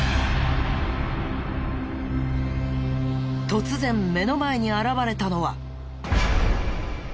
突然目の前に現れたのは。